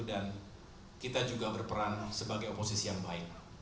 dan kita juga berperan sebagai oposisi yang baik